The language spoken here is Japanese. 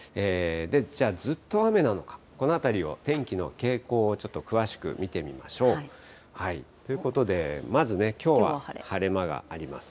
じゃあ、ずっと雨なのか、このあたりを天気の傾向をちょっと詳しく見てみましょう。ということで、まずね、きょうは晴れ間があります。